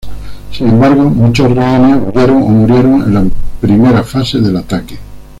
Sin embargo, muchos rehenes huyeron o murieron en la primera fase del ataque.